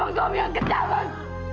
kamu memang kamu yang kejam bos